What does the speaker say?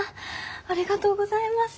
ありがとうございます。